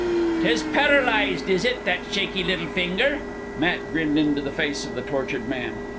"'Tis paralyzed, is it, that shaky little finger?" Matt grinned into the face of the tortured man.